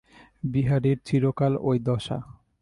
বিহারীর চিরকাল ঐ দশা।